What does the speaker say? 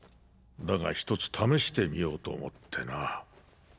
だが一つ試してみようと思ってな。